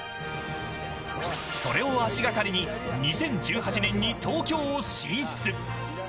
それを足掛かりに２０１８年に東京へ進出。